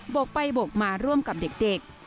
กไปโบกมาร่วมกับเด็ก